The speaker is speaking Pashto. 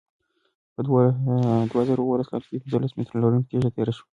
په دوه زره اوولس کال کې یوه پنځلس متره لرونکې تیږه تېره شوه.